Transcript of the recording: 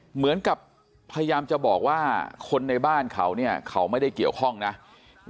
เหมือนกับพยายามจะบอกว่าคนในบ้านเขาเนี่ยเขาไม่ได้เกี่ยวข้องนะ